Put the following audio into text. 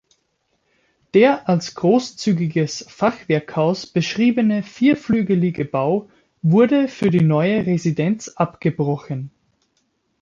Der als großzügiges Fachwerkhaus beschriebene vierflügelige Bau wurde für die neue Residenz abgebrochen.